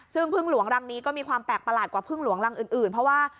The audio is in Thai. ซึ่งพึ่งหลวงรังนี้ก็มีความแปลกประหลาดกว่าพึ่งหลวงรังอื่นเพราะว่า